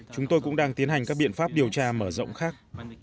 chúng tôi cũng đang tiến hành các biện pháp điều tra mở rộng khác